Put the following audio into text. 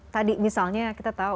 tadi misalnya kita tahu